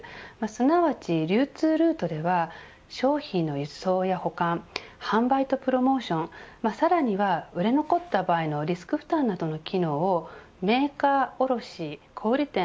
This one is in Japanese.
すなわち、流通ルートでは商品の輸送や保管販売とプロモーションさらには売れ残った場合のリスク負担などの機能をメーカー、卸、小売り店